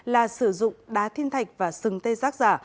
là sử dụng đá thiên thạch và sừng tê giác giả